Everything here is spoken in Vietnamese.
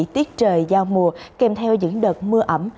tiết trời giao mùa kèm theo những đợt mưa ẩm